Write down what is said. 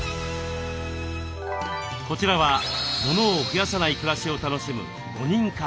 こちらはモノを増やさない暮らしを楽しむ５人家族。